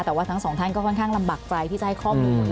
แต่ว่าทั้งสองท่านก็ค่อนข้างลำบากใจที่จะให้ข้อมูล